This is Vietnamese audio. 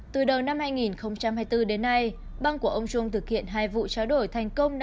từ đầu năm hai nghìn hai mươi bốn đến nay bang của ông trung thực hiện hai vụ tráo đổi thành công